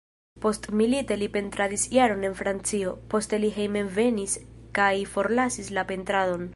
Postmilite li pentradis jaron en Francio, poste li hejmenvenis kaj forlasis la pentradon.